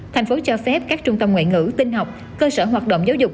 thành phố cho phép các trung tâm ngoại ngữ tinh học cơ sở hoạt động giáo dục